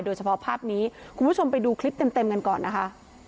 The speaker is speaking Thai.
โดยเฉพาะภาพนี้คุณผู้ชมไปดูคลิปเต็มกันก่อนนะคะ